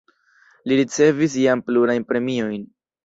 Li ricevis jam plurajn premiojn.